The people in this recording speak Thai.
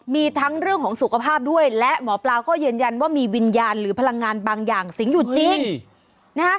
มีทั้งเรื่องของสุขภาพด้วยและหมอปลาก็ยืนยันว่ามีวิญญาณหรือพลังงานบางอย่างสิงห์อยู่จริงนะฮะ